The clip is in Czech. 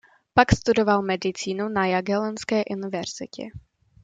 Pak studoval medicínu na Jagellonské univerzitě.